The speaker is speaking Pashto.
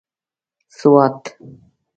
سوات